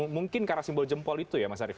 mungkin karena simbol jempol itu ya mas arief